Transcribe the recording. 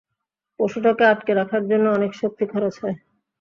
পশুটাকে আঁটকে রাখার জন্য অনেক শক্তি খরচ হয়।